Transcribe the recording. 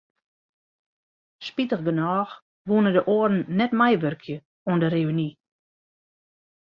Spitigernôch woene de oaren net meiwurkje oan de reüny.